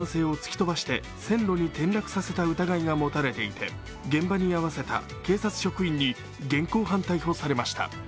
昨日、ＪＲ天王寺駅のホームで会社員の男性を突き飛ばして線路に転落させた疑いが持たれていて現場に居合わせた警察職員に現行犯逮捕されました。